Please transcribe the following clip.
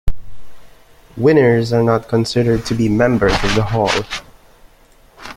Winners are not considered to be members of the Hall.